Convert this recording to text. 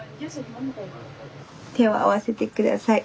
手を合わせて下さい。